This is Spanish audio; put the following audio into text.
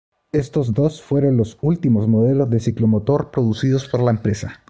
Estos dos fueron los últimos modelos de ciclomotor producidos por la empresa.